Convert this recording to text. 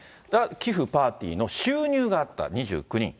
寄付、パーティーの収入があった２９人。